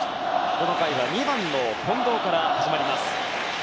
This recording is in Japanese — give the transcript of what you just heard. この回は２番の近藤から始まります。